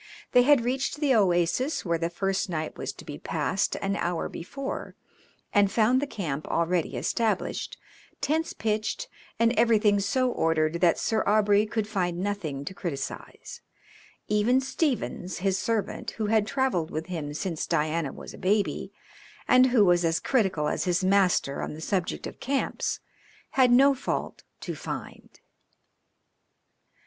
They had reached the oasis where the first night was to be passed an hour before, and found the camp already established, tents pitched, and everything so ordered that Sir Aubrey could find nothing to criticise; even Stephens, his servant, who had travelled with him since Diana was a baby, and who was as critical as his master on the subject of camps, had no fault to find.